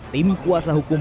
tim kuasa hukum